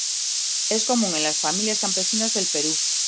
Es común en las familias campesinas del Perú.